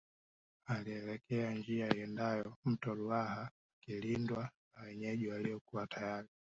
Alielekea njia iendayo mto Ruaha akilindwa na wenyeji waliokuwa tayari